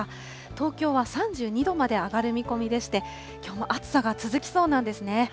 東京は３２度まで上がる見込みでして、きょうも暑さが続きそうなんですね。